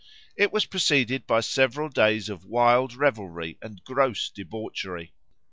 It was preceded by several days of wild revelry and gross debauchery.